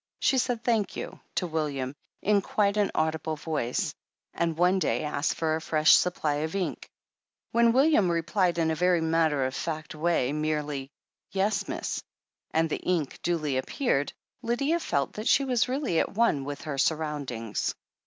She said "Thank you" to William in quite an audible voice, and one day asked for a fresh supply of ink. When William replied, in a very matter of fact way, merely "Yes, miss," and the ink duly appeared, Lydia felt that she was really at one with her surroundings.